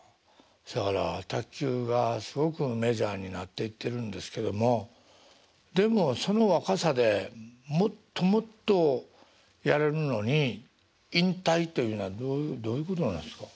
そやから卓球がすごくメジャーになっていってるんですけどもでもその若さでもっともっとやれるのに引退というのはどういうことなんですか？